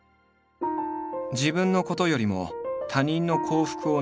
自分のことよりも他人の幸福を願う「利他」。